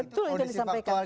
betul yang disampaikan